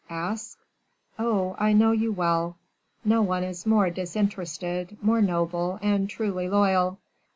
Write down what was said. "Ask " "Oh, I know you well, no one is more disinterested, more noble, and truly loyal."